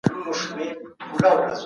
ملکیت د انسان د هڅو او زیار ثمره ده.